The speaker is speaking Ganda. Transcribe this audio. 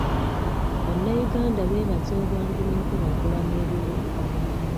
Bannayuganda beebaza obwangu n'enkulaakulana eriwo.